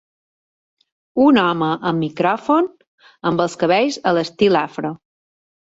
un home amb micròfon, amb els cabells a l'estil afro.